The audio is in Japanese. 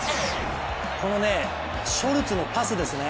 このショルツのパスですね。